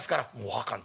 「分かん。